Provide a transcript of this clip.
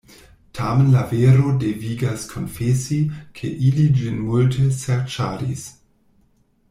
Tamen la vero devigas konfesi, ke ili ĝin multe serĉadis.